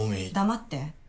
黙って。